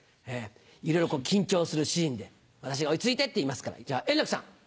いろいろ緊張するシーンで私が「落ち着いて！」って言いますから円楽さん！